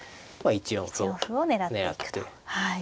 １四歩を狙っていくと。